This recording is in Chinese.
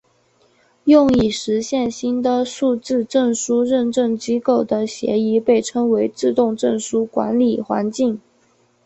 用以实现新的数字证书认证机构的协议被称为自动证书管理环境。